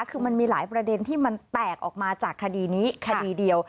คือมันมีหลายประเด็นที่มันแตกออกมาจากคดีนี้คดีเดียว